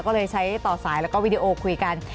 ก็เลยใช้ต่อสายแล้วก็วิดีโอคุยกัน